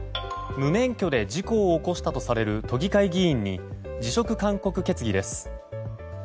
無免許で事故を起こしたとされる都議会議員に辞職勧告決議です。